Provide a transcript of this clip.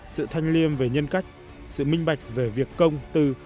sự thanh liêm về nhân cách sự minh bạch về việc công tư